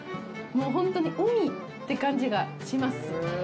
もう本当に海って感じがします。